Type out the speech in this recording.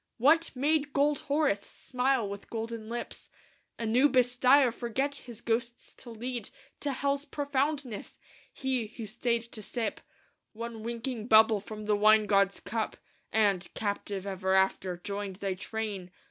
"What made gold Horus smile with golden lips? Anubis dire forget his ghosts to lead To Hell's profoundness? He, who stayed to sip One winking bubble from the wine god's cup, And, captive ever after, joined thy train?